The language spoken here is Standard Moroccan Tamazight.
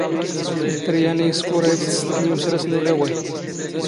ⵉⵜⵜⵔ ⵢⴰⵏⵉ ⵉ ⵙⴽⵓⵔⴰ ⴰⴷ ⵜ ⵜⵙⵙⵍⴽⵎ ⵉ ⵓⵙⵔⴰⵙ ⵏ ⵓⵍⴰⵡⴰⵢ.